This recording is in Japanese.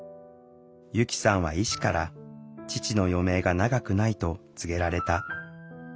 由希さんは医師から父の余命が長くないと告げられた。